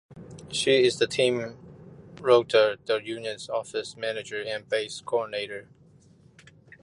She is the team rotor, the unit's office manager and base coordinator.